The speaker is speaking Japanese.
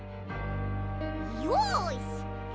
よし！